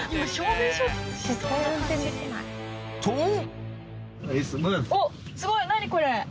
とおっすごい何これ。